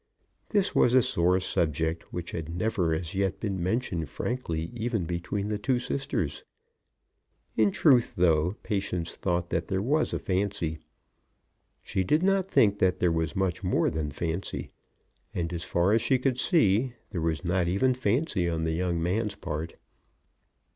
This was a sore subject, which had never as yet been mentioned frankly even between the two sisters. In truth, though Patience thought that there was a fancy, she did not think that there was much more than fancy. And, as far as she could see, there was not even fancy on the young man's part.